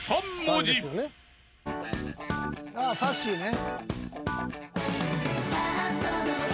ああさっしーね。